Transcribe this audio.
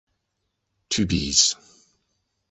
Tubize.